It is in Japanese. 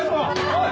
おい！